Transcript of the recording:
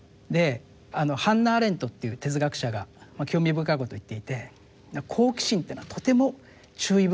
ハンナ・アーレントという哲学者が興味深いことを言っていて「好奇心っていうのはとても注意深くあらねばならない。